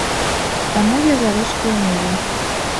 Таму я за рускую мову.